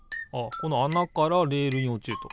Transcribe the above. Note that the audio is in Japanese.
このあなからレールにおちると。